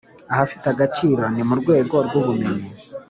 Ahafite agaciro ni mu rwego rw’ ubumenyi